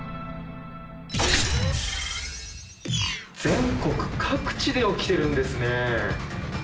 全国各地で起きてるんですね。